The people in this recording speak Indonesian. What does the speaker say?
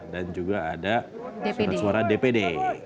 dan juga ada surat suara dpd